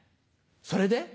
それで？